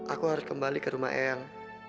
aku harus kembali ke rumah eyang